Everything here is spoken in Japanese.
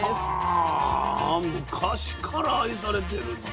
は昔から愛されてるんだ。